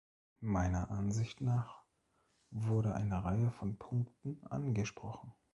Meiner Ansicht nach wurde eine Reihe von Punkten angesprochen.